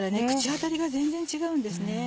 口当たりが全然違うんですね。